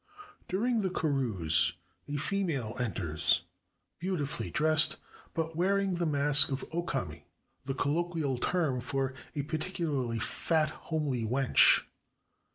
During the carouse a female enters, beautifully dressed, but wearing the mask of "Okame" (the colloquial term for a particu larly fat homely wench)